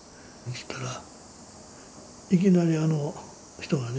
そしたらいきなりあの人がね